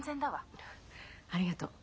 ありがとう。